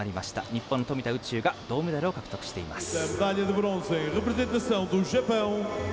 日本、富田宇宙が銅メダルを獲得しています。